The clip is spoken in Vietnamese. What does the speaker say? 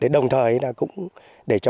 đồng thời là cũng để cho